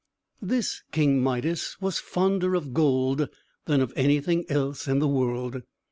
This King Midas was fonder of gold than of anything else in the world.